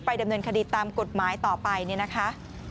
ไปดำเนินคดีตตามกฎหมายต่อไปนะคะ